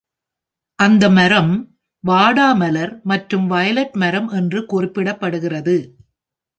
அந்த மரம் வாடாமலர் மற்றும் வயலட் மரம் என்றும் குறிப்பிடப்படுகிறது.